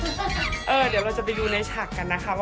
เดี๋ยวจะรีวินในฉากกันนะครับ